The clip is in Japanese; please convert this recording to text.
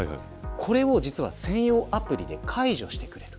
これを実は専用アプリで解除してくれる。